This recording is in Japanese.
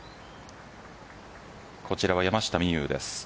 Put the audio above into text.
こちらは山下美夢有です。